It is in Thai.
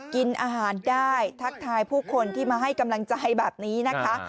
กินอาหารได้ทักทายผู้คนที่มาให้กำลังใจแบบนี้นะคะ